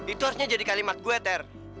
itu harusnya jadi kalimat gue ter